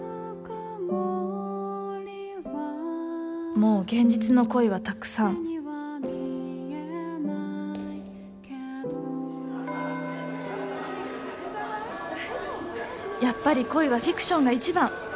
もう現実の恋はたくさんやっぱり恋はフィクションが一番！